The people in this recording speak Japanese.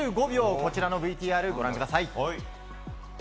こちらのＶＴＲ、ご覧ください。